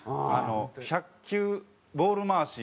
１００球ボール回しいかな